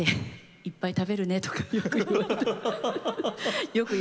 「いっぱい食べるね」とかよく言われてました。